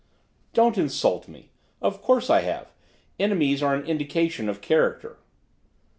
"Don't insult me! Of course I have. Enemies are an indication of character."